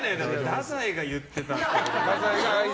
太宰が言ってたなら。